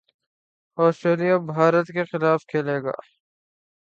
Australia Bharat کے خلاف کھیلے گا